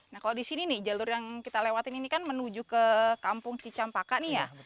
nah kalau di sini nih jalur yang kita lewatin ini kan menuju ke kampung cicampaka nih ya